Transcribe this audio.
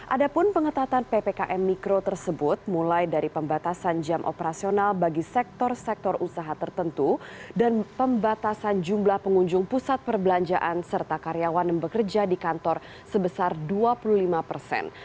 adapun pengetatan ppkm mikro tersebut mulai dari pembatasan jam operasional bagi sektor sektor usaha tertentu dan pembatasan jumlah pengunjung pusat perbelanjaan serta karyawan yang bekerja di kantor sebesar dua puluh lima persen